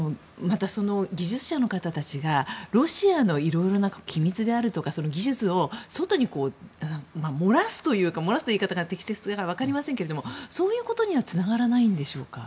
技術者の方たちがロシアのいろいろな機密であるとか技術を外に漏らすそういう言い方が適切かは分かりませんけどそういうことにはつながらないんでしょうか？